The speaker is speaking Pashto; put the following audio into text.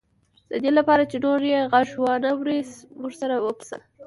د دې لپاره چې نور یې غږ وانه وري ورسره وپسه.